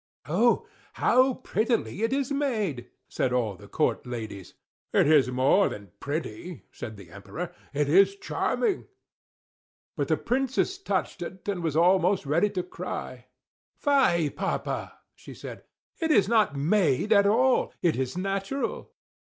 "Oh, how prettily it is made!" said all the court ladies. "It is more than pretty," said the Emperor, "it is charming!" But the Princess touched it, and was almost ready to cry. "Fie, papa!" said she. "It is not made at all, it is natural!"